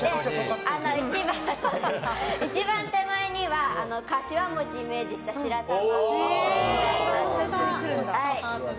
一番手前には柏餅をイメージした白玉をのせています。